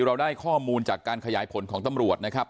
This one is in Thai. เราได้ข้อมูลจากการขยายผลของตำรวจนะครับ